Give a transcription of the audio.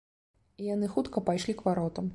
І яны хутка пайшлі к варотам.